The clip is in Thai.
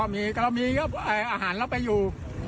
เรามีก็อาหารเราไปอยู่